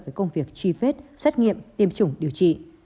với công việc truy vết xét nghiệm tiêm chủng điều trị